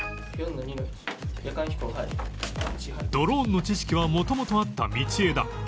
ドローンの知識は元々あった道枝